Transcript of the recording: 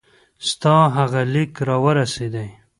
ستا هغه لیک را ورسېدی.